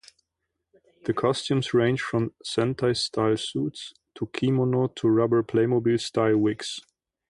The costumes range from sentai style suits, to kimono, to rubber Playmobil style wigs.